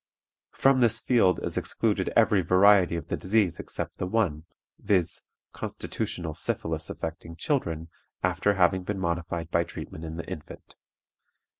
From this field is excluded every variety of the disease except the one, viz., constitutional syphilis affecting children after having been modified by treatment in the infant.